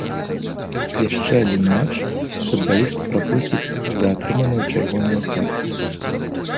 Яшчэ адзін матч футбаліст прапусціць за атрыманую чырвоную картку.